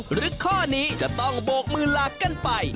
หรือข้อนี้จะต้องโบกมือลากันไป